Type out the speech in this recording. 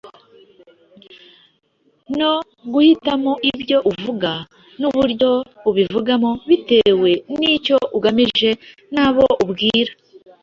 no guhitamo ibyo uvuga n’uburyo ubivugamo bitewe n’icyo ugamije n’abo ubwira